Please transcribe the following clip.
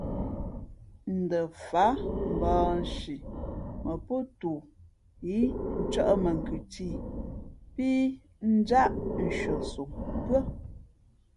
Ndα fát mbαᾱnshi mα pōtoo yí ncᾱʼ mα khʉ tî pí njāʼ shʉαsom pʉ́ά.